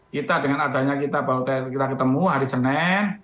kita dengan adanya kita ketemu hari senin